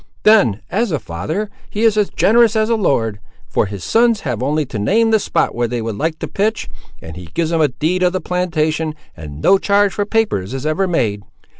Then, as a father, he is as generous as a lord; for his sons have only to name the spot where they would like to pitch, and he gives 'em a deed of the plantation, and no charge for papers is ever made!"